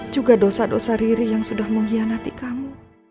juga dosa dosa riri yang sudah mengkhianati kamu